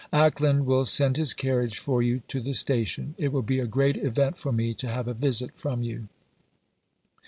Acland will send his carriage for you to the station. It will be a great event for me to have a visit from you."